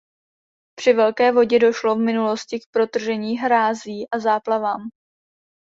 Při velké vodě došlo v minulosti k protržení hrází a záplavám.